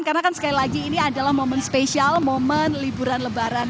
karena kan sekali lagi ini adalah momen spesial momen liburan lebaran